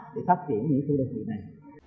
để phát triển những khu đô thị này